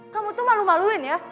kamu tuh malu maluin ya